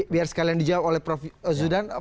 biar sekalian dijawab oleh prof zudan